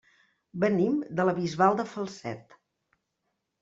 Venim de la Bisbal de Falset.